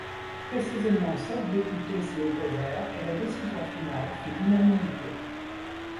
Précisément sept députés s’y opposèrent et la décision finale fit l’unanimité.